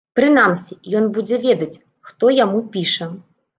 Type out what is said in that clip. Прынамсі, ён будзе ведаць, хто яму піша.